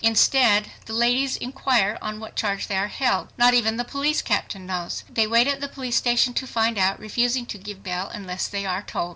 Instead, the "ladies" inquire on what charge they are held. Not even the police captain knows. They wait at the police station to find out, refusing to give bail unless they are told.